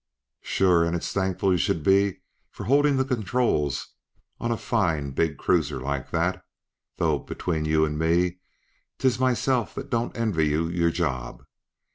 "Sure, and it's thankful you sh'u'd be to be holdin' the controls on a fine, big cruiser like that; though, betwixt you and me, 'tis myself that don't envy you your job.